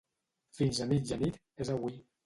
Fins a mitjanit és avui.